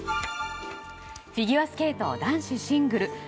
フィギュアスケート男子シングル。